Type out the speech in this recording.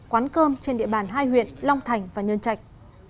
quán cơm trên địa bàn hai huyện long thành và nhân trạch